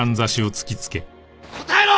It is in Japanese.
答えろ！